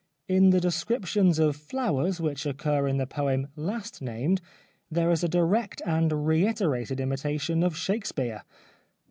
In the descriptions of flowers which occur in the poem last named there is a direct and reiterated imitation of Shakespeare.